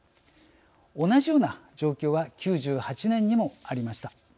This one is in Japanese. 同じような状況は９８年にもありました。